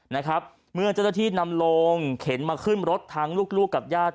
นะครับเมื่อเจ้าที่นำโรงเข็นมาขึ้นรถทางลูกกับญาติ